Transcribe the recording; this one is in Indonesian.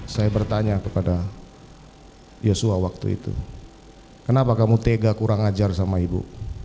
saya bertanya kepada joshua waktu itu kenapa kamu tega kurang ajar sama ibu